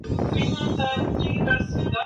En el río hay abundante pesca del salmón.